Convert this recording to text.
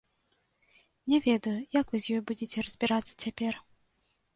Не ведаю, як вы з ёй будзеце разбірацца цяпер.